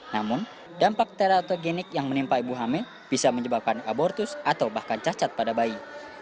namun dampak teratogenik yang menimpa ibu hamil bisa menyebabkan abortus atau bahkan cacat pada bayi